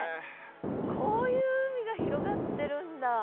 こういう海が広がってるんだ。